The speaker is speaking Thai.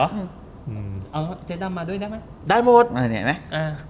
ขอบคุณเจ๊ดำมาด้วยได้ไหม